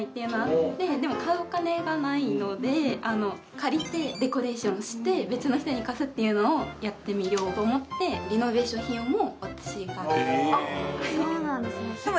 借りてデコレーションして、別の人に貸すっていうのをやってみようと思ってリノベーションの費用を。